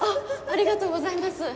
ありがとうございます